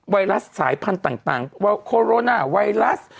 ไวรัสสายพันธุ์ต่างไโคโรนาไวรัส